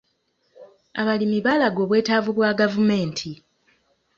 Abalimi baalaga obwetaavu bwa gavumenti.